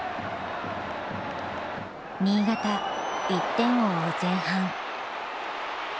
新潟１点を追う前半。